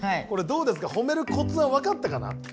これどうですかほめるコツはわかったかな？